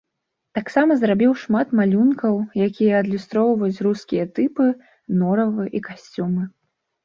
Таксама зрабіў шмат малюнкаў, якія адлюстроўваюць рускія тыпы, норавы і касцюмы.